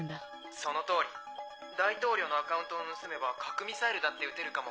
その通り大統領のアカウントを盗めば核ミサイルだって撃てるかも。